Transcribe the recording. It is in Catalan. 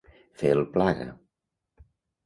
Fer el plaga.